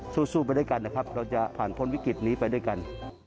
สู้ไปด้วยกันนะครับเราจะผ่านพ้นวิกฤตนี้ไปด้วยกัน